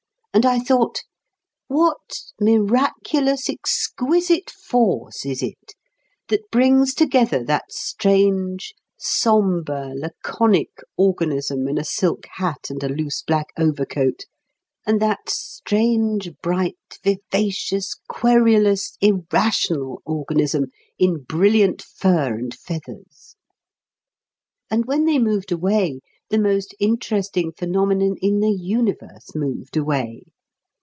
And I thought: "What miraculous exquisite Force is it that brings together that strange, sombre, laconic organism in a silk hat and a loose, black overcoat, and that strange, bright, vivacious, querulous, irrational organism in brilliant fur and feathers?" And when they moved away the most interesting phenomenon in the universe moved away.